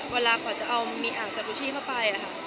เวลาขวัญจะเอามีอากจับกุชชี้เข้าไป